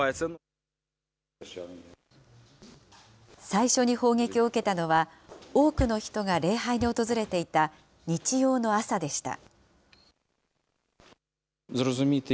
最初に砲撃を受けたのは、多くの人が礼拝に訪れていた日曜の朝でした。